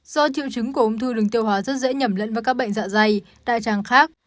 do triệu chứng của ung thư đường tiêu hóa rất dễ nhầm lẫn với các bệnh dạ dày đại tràng khác